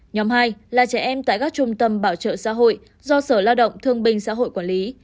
nhóm hai là trẻ em tại các trung tâm bảo trợ xã hội do sở lao động thương binh xã hội quản lý